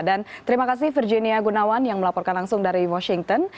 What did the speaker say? dan terima kasih virginia gunawan yang melaporkan langsung dari washington